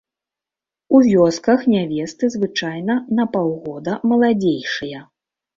У вёсках нявесты звычайна на паўгода маладзейшыя.